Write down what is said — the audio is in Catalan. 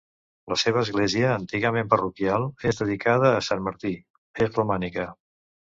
La seva església, antigament parroquial, és dedicada a sant Martí; és romànica.